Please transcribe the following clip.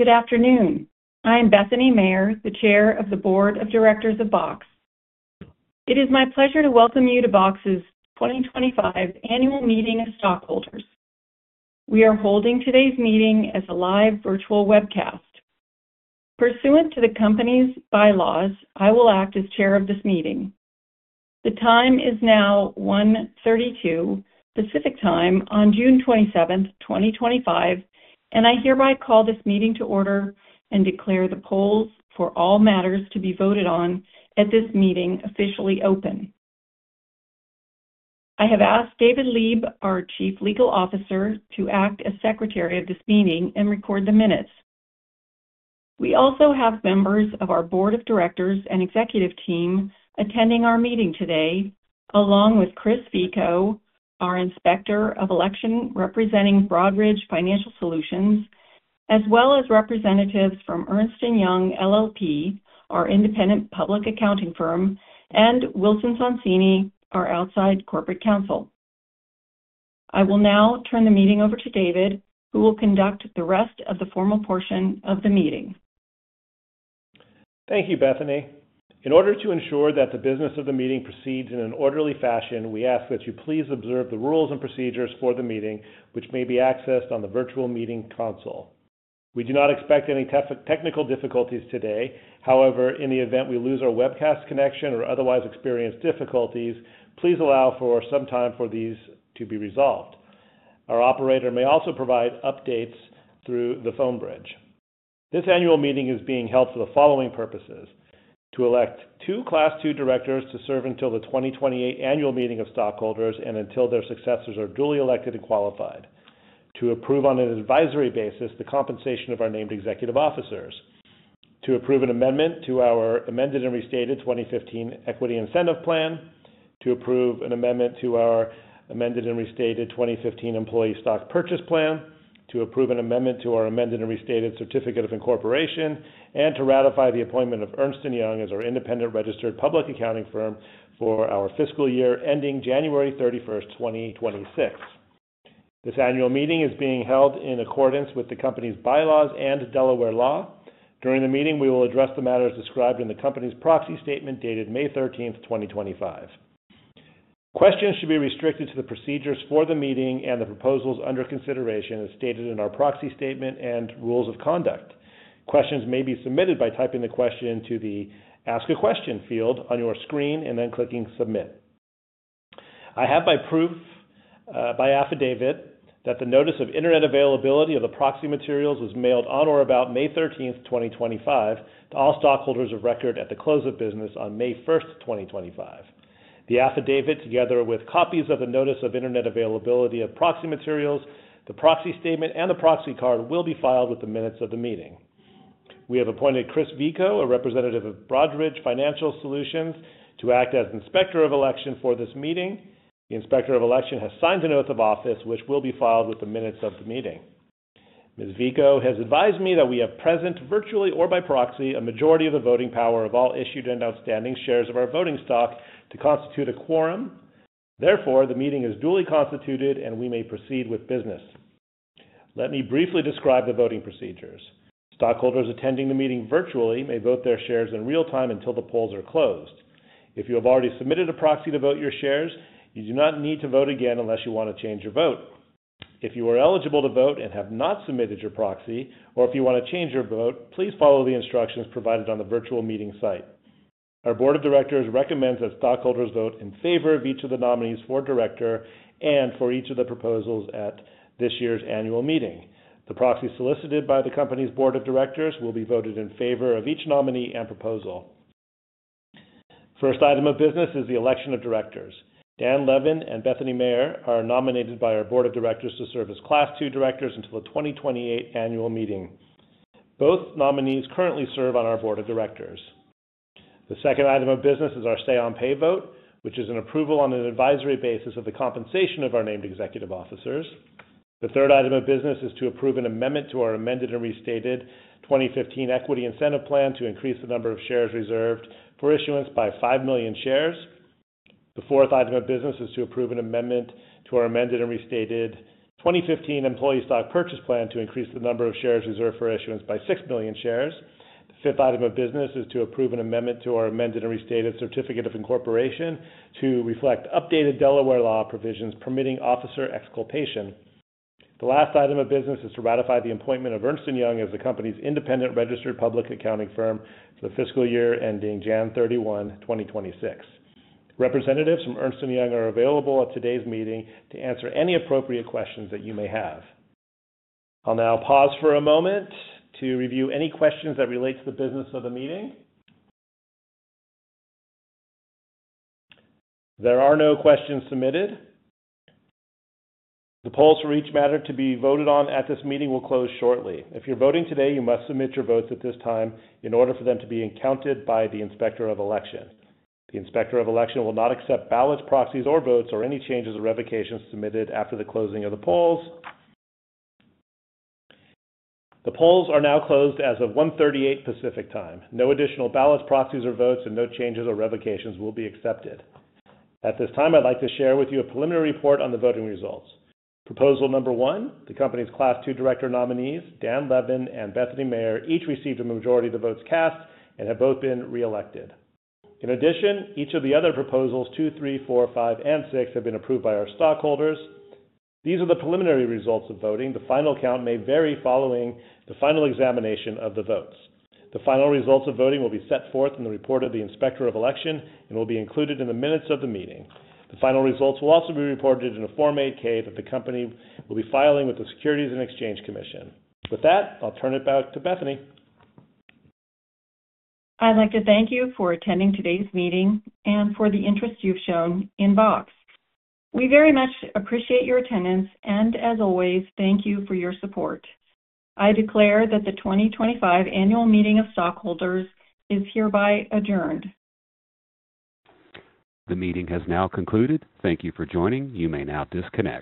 Good afternoon. I am Bethany Mayer, the Chair of the Board of Directors of Box. It is my pleasure to welcome you to Box's 2025 annual meeting of stockholders. We are holding today's meeting as a live virtual webcast. Pursuant to the company's bylaws, I will act as Chair of this meeting. The time is now 1:32 P.M. Pacific Time on June 27th, 2025, and I hereby call this meeting to order and declare the polls for all matters to be voted on at this meeting officially open. I have asked David Leeb, our Chief Legal Officer, to act as Secretary of this meeting and record the minutes. We also have members of our Board of Directors and Executive Team attending our meeting today, along with [Chris Vico], our Inspector of Election representing Broadridge Financial Solutions, as well as representatives from Ernst & Young LLP, our independent public accounting firm, and Wilson Sonsini, our outside corporate counsel. I will now turn the meeting over to David, who will conduct the rest of the formal portion of the meeting. Thank you, Bethany. In order to ensure that the business of the meeting proceeds in an orderly fashion, we ask that you please observe the rules and procedures for the meeting, which may be accessed on the virtual meeting console. We do not expect any technical difficulties today. However, in the event we lose our webcast connection or otherwise experience difficulties, please allow for some time for these to be resolved. Our operator may also provide updates through the phone bridge. This annual meeting is being held for the following purposes: to elect two Class II Directors to serve until the 2028 Annual Meeting of Stockholders and until their successors are duly elected and qualified, to approve on an advisory basis the compensation of our named Executive Officers, to approve an amendment to our Amended and Restated 2015 Equity Incentive Plan, to approve an amendment to our Amended and Restated 2015 Employee Stock Purchase Plan, to approve an amendment to our Amended and Restated Certificate of Incorporation, and to ratify the appointment of Ernst & Young as our independent registered public accounting firm for our fiscal year ending January 31st, 2026. This annual meeting is being held in accordance with the company's bylaws and Delaware law. During the meeting, we will address the matters described in the company's proxy statement dated May 13th, 2025. Questions should be restricted to the procedures for the meeting and the proposals under consideration, as stated in our proxy statement and rules of conduct. Questions may be submitted by typing the question into the Ask a Question field on your screen and then clicking Submit. I have by proof, by affidavit, that the notice of internet availability of the proxy materials was mailed on or about May 13th, 2025, to all stockholders of record at the close of business on May 1st, 2025. The affidavit, together with copies of the notice of internet availability of proxy materials, the proxy statement, and the proxy card, will be filed with the minutes of the meeting. We have appointed [Chris Vico], a representative of Broadridge Financial Solutions, to act as Inspector of Election for this meeting. The Inspector of Election has signed a note of office, which will be filed with the minutes of the meeting. [Ms. Vico] has advised me that we have present, virtually or by proxy, a majority of the voting power of all issued and outstanding shares of our voting stock to constitute a quorum. Therefore, the meeting is duly constituted, and we may proceed with business. Let me briefly describe the voting procedures. Stockholders attending the meeting virtually may vote their shares in real time until the polls are closed. If you have already submitted a proxy to vote your shares, you do not need to vote again unless you want to change your vote. If you are eligible to vote and have not submitted your proxy, or if you want to change your vote, please follow the instructions provided on the virtual meeting site. Our Board of Directors recommends that stockholders vote in favor of each of the nominees for Director and for each of the proposals at this year's Annual Meeting. The proxy solicited by the company's Board of Directors will be voted in favor of each nominee and proposal. First item of business is the election of Directors. Dan Levin and Bethany Mayer are nominated by our Board of Directors to serve as Class II Directors until the 2028 Annual Meeting. Both nominees currently serve on our Board of Directors. The second item of business is our say-on-pay vote, which is an approval on an advisory basis of the compensation of our named Executive Officers. The third item of business is to approve an amendment to our Amended and Restated 2015 Equity Incentive Plan to increase the number of shares reserved for issuance by 5 million shares. The fourth item of business is to approve an amendment to our Amended and Restated 2015 Employee Stock Purchase Plan to increase the number of shares reserved for issuance by 6 million shares. The fifth item of business is to approve an amendment to our Amended and Restated Certificate of Incorporation to reflect updated Delaware law provisions permitting officer exculpation. The last item of business is to ratify the appointment of Ernst & Young as the company's independent registered public accounting firm for the fiscal year ending January 31, 2026. Representatives from Ernst & Young are available at today's meeting to answer any appropriate questions that you may have. I'll now pause for a moment to review any questions that relate to the business of the meeting. There are no questions submitted. The polls for each matter to be voted on at this meeting will close shortly. If you're voting today, you must submit your votes at this time in order for them to be encountered by the Inspector of Election. The Inspector of Election will not accept ballots, proxies, or votes or any changes or revocations submitted after the closing of the polls. The polls are now closed as of 1:38 P.M. Pacific Time. No additional ballots, proxies, or votes, and no changes or revocations will be accepted. At this time, I'd like to share with you a preliminary report on the voting results. Proposal number one, the company's Class II Director nominees, Dan Levin and Bethany Mayer, each received a majority of the votes cast and have both been reelected. In addition, each of the other proposals, two, three, four, five, and six have been approved by our stockholders. These are the preliminary results of voting. The final count may vary following the final examination of the votes. The final results of voting will be set forth in the report of the Inspector of Election and will be included in the minutes of the meeting. The final results will also be reported in a Form 8-K that the company will be filing with the Securities and Exchange Commission. With that, I'll turn it back to Bethany. I'd like to thank you for attending today's meeting and for the interest you've shown in Box. We very much appreciate your attendance, and as always, thank you for your support. I declare that the 2025 annual meeting of stockholders is hereby adjourned. The meeting has now concluded. Thank you for joining. You may now disconnect.